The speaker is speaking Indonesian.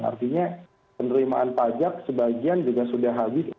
artinya penerimaan pajak sebagian juga sudah habis